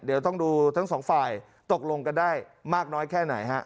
เดี๋ยวต้องดูทั้งสองฝ่ายตกลงกันได้มากน้อยแค่ไหนฮะ